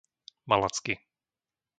Malacky